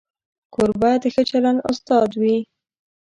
کوربه د ښه چلند استاد وي.